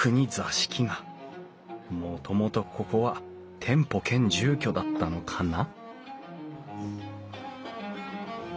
もともとここは店舗兼住居だったのかな？